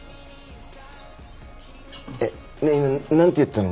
えっねえ今なんて言ったの？